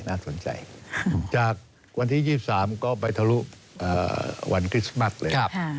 น่าสนใจจากวันที่๒๓ก็ไปทะลุวันคริสต์มัสเลย